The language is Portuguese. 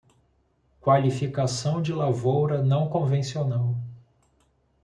Qualificação de lavoura não convencional